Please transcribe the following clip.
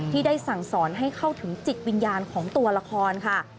ที่ได้สั่งสอนให้เข้าถึงจิตวิญญาณของตัวละครค่ะ